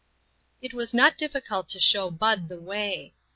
It was not difficult to show Bud the way.